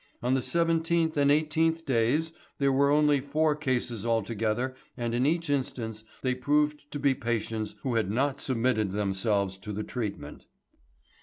On the seventeenth and eighteenth days there were only four cases altogether and in each instance they proved to be patients who had not submitted themselves to the treatment.